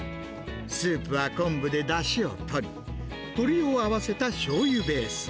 スープは昆布でだしを取り、鶏を合わせたしょうゆベース。